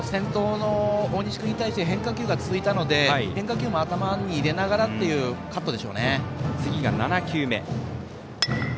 大西君に対して変化球が続いたので変化球も頭に入れながらというカットでしょうね。